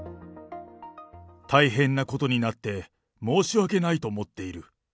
大変なことになって、申し訳ないと思っている。